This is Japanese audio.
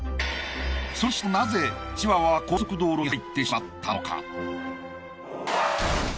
それにしてもなぜチワワは高速道路に入ってしまったのか？